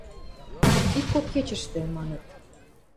– Ик-кок кечӹштӹ, – маныт.